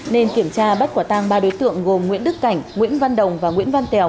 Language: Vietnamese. nên kiểm tra bắt quả tang ba đối tượng gồm nguyễn đức cảnh nguyễn văn đồng và nguyễn văn tèo